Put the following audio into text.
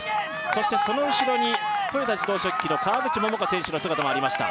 そしてその後ろに豊田自動織機の川口桃佳選手の姿もありました